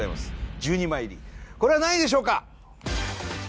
１２枚入りこれは何位でしょうか